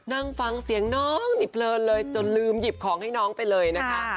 นั่งฟังเสียงน้องนี่เพลินเลยจนลืมหยิบของให้น้องไปเลยนะคะ